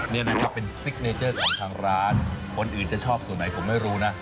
นี่นะครับเป็นซิกเนเจอร์ของทางร้านคนอื่นจะชอบส่วนไหนผมไม่รู้นะ